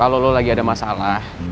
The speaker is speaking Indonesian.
kalau lo lagi ada masalah